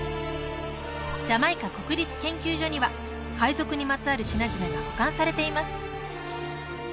ジャマイカ国立研究所には海賊にまつわる品々が保管されています